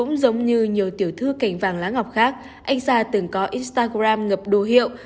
như nhiều tiểu thư cảnh vàng lá ngọc khác anh sa từng có instagram ngập đồ hiệu